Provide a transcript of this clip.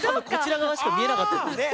こちらがわしかみえなかった。